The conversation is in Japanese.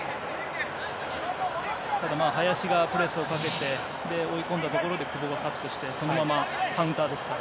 ただ、林がプレスをかけて追い込んだところで久保がカットしてそのままカウンターですから。